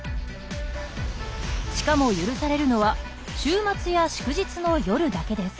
しかも許されるのは週末や祝日の夜だけです。